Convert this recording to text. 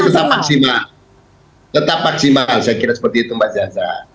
tetap maksimal tetap maksimal saya kira seperti itu mbak zaza